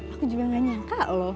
aku juga gak nyangka loh